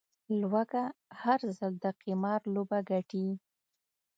لوږه، هر ځل د قمار لوبه ګټي